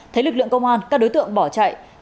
thấy lực lượng công an các đối tượng bỏ chạy